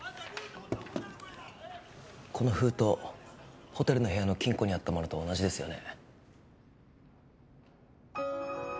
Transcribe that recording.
この封筒ホテルの部屋の金庫にあったものと同じですよね